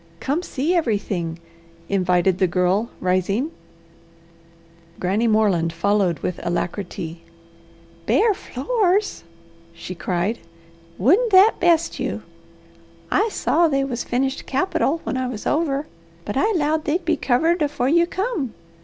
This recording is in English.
"Come see everything," invited the Girl, rising. Granny Moreland followed with alacrity. "Bare floors!" she cried. "Wouldn't that best you? I saw they was finished capital when I was over, but I 'lowed they'd be covered afore you come.